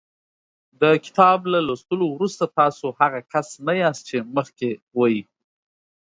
د کتاب له لوستلو وروسته تاسو هغه کس نه یاست چې مخکې وئ.